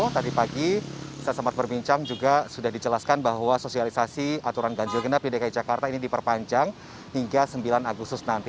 tadi pagi saya sempat berbincang juga sudah dijelaskan bahwa sosialisasi aturan ganjil genap di dki jakarta ini diperpanjang hingga sembilan agustus nanti